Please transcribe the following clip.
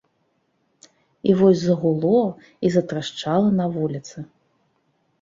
І вось загуло і затрашчала на вуліцы.